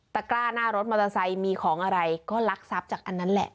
กล้าหน้ารถมอเตอร์ไซค์มีของอะไรก็ลักทรัพย์จากอันนั้นแหละ